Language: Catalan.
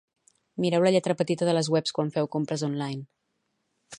Mireu la lletra petita de les webs quan feu compres online.